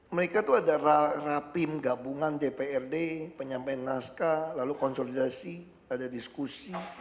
mereka tuh ada rapim gabungan dprd penyampaian naskah lalu konsolidasi ada diskusi